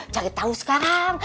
cari tau sekarang